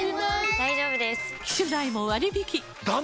大丈夫です！